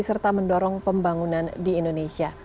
serta mendorong pembangunan di indonesia